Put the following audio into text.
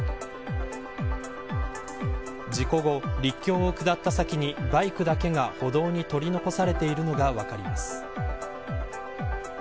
事故後、陸橋を下った先にバイクだけが歩道に取り残されているのが分かります。